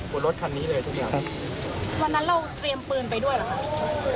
บนรถคันนี้เลยทุกอย่างวันนั้นเราเตรียมปืนไปด้วยเหรอคะ